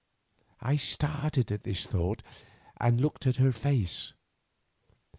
I started at the thought and looked at her face.